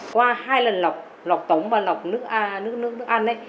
qua hai lần lọc tống và lọc nước ăn